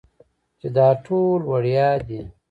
چې دا ټول وړيا دي.